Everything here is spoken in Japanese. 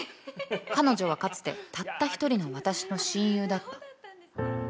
彼女はかつてたった一人の私の親友だった